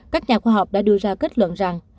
các nhà khoa học đã đưa ra kết luận rằng